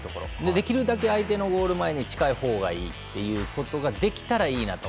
できるだけ相手のゴール前に近いほうがいいということができたらいいなと。